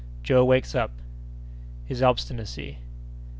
—Joe wakes up.—His Obstinacy.